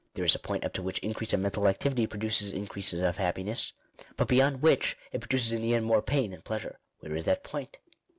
There is a point up to which increase of mental activity pro duces increase of happiness ; but beyond which, it produces in the end more pain than pleasure. Where is that point?